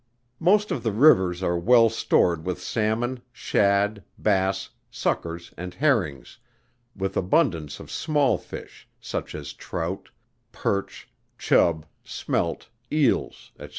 Most of the rivers are well stored with Salmon, Shad, Bass, Suckers, and Herrings, with abundance of small Fish, such as Trout, Perch, Chub, Smelt, Eels, &c.